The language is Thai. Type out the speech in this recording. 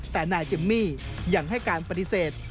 แต่นายจิมมี่ยังให้การปฏิเสธ